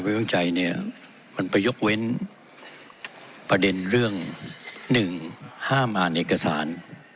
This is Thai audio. ใจเนี่ยมันไปยกเว้นประเด็นเรื่องหนึ่งห้ามอ่านเอกสาร